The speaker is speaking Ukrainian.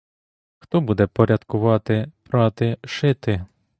Хто буде порядкувати, прати, шити?